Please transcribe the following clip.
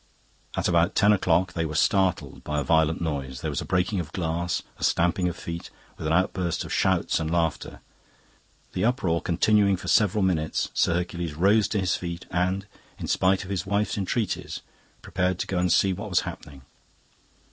At about ten o'clock they were startled by a violent noise. There was a breaking of glass, a stamping of feet, with an outburst of shouts and laughter. The uproar continuing for several minutes, Sir Hercules rose to his feet and, in spite of his wife's entreaties, prepared to go and see what was happening.